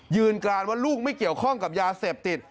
การว่าลูกไม่เกี่ยวข้องกับยาเสพติด